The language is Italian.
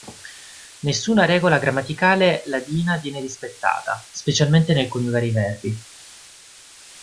Nessuna regola grammaticale ladina viene rispettata, specialmente nel coniugare i verbi.